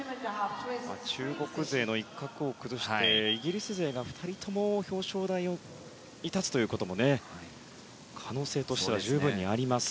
中国勢の一角を崩してイギリス勢が２人とも表彰台に立つということも可能性としては十分にあります。